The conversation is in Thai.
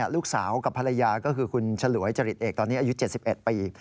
ลูกสาวกับภรรยาก็คือคุณฉลวยจริตเอกตอนนี้อายุ๗๑ปี